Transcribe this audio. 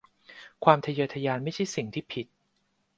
ความทะเยอทะยานไม่ใช่สิ่งผิด